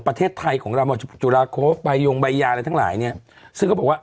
ประเทศไทยของเราจุฬาโคไปยงใบยาอะไรทั้งหลายเนี้ยซึ่งก็บอกว่า